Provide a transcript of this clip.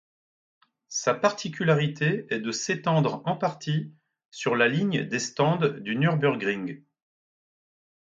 Sa particularité est de s'étendre en partie sur la ligne des stands du Nürburgring.